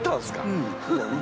うん。